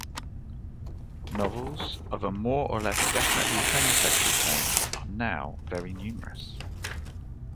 Novels of a more or less definitely homosexual tone are now very numerous.